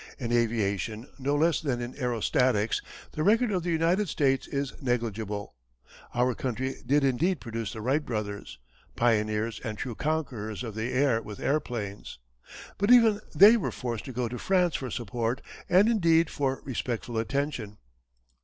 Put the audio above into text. In aviation no less than in aerostatics the record of the United States is negligible. Our country did indeed produce the Wright Brothers, pioneers and true conquerors of the air with airplanes. But even they were forced to go to France for support and indeed for respectful attention.